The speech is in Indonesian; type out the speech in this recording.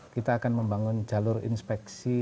kita akan membangun jalur inspeksi